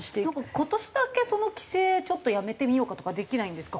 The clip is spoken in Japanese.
今年だけその規制ちょっとやめてみようかとかできないんですか？